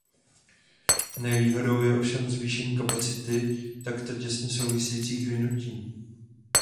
Nevýhodou je ovšem zvýšení kapacity takto těsně souvisejících vinutí.